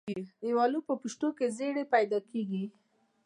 د ویالو په پشتو کې زرۍ پیدا کیږي.